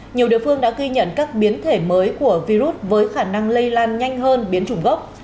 nhiều địa phương đã ghi nhận các biến thể mới của virus với khả năng lây lan nhanh hơn biến chủng gốc